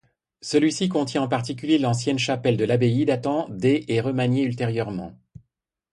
Celui-ci contient en particulier l'ancienne chapelle de l'abbaye datant des et remaniée ultérieurement.